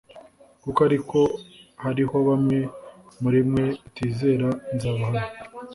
Kuko ariko hariho bamwe muri mwe batizera nzabahana